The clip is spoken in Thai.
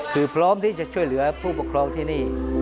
คือพร้อมที่จะช่วยเหลือผู้ปกครองที่นี่